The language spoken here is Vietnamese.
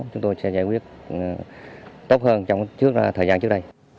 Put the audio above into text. chúng tôi sẽ giải quyết tốt hơn trong thời gian trước đây